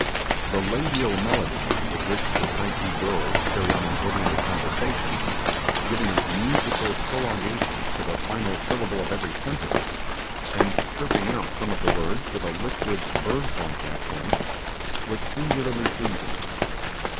The labial melody with which the Typee girls carry on an ordinary conversation, giving a musical prolongation to the final syllable of every sentence, and chirping out some of the words with a liquid, bird like accent, was singularly pleasing.